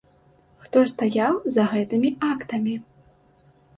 Хто стаяў за гэтымі актамі?